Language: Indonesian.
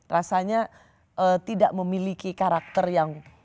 rasanya tidak memiliki karakter yang